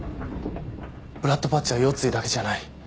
ブラッドパッチは腰椎だけじゃない。